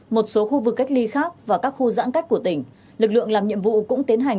một số khu vực cách ly khác và các khu giãn cách của tỉnh lực lượng làm nhiệm vụ cũng tiến hành